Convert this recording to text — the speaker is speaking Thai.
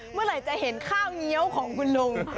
เมื่อไหร่จะเห็นข้าวเงี้ยวของคุณลุง